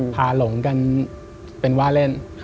หลงกันเป็นว่าเล่น